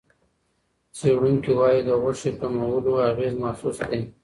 څېړونکي وايي، د غوښې کمولو اغېز محسوس دی.